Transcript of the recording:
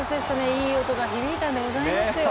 いい音が響いたでございますよ。